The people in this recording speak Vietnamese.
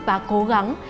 và cố gắng